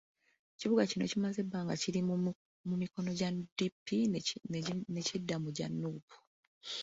Ekibuga kino kimaze ebbanga nga kiri mu mikono gya DP, ne kidda mu gya Nuupu.